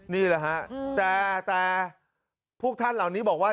นี่แหละฮะแต่พวกท่านเหล่านี้บอกว่า